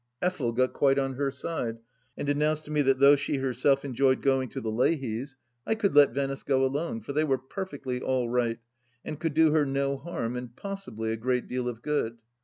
Effel got quite on her side, and announced to me that though she herself enjoyed going to the Leahys, I could let Venice go alone, for they were perfectly all right and could do her no harm, and possibly a great deal of good.